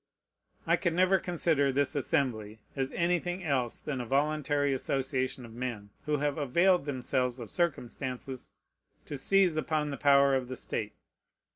I can never consider this Assembly as anything else than a voluntary association of men who have availed themselves of circumstances to seize upon the power of the state.